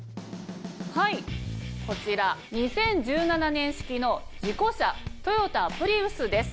こちら２０１７年式の事故車トヨタプリウスです。